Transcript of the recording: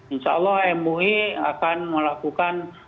insya allah mui akan melakukan